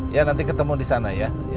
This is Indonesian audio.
iya nanti ketemu disana